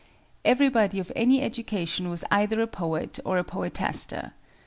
Everybody of any education was either a poet or a poetaster.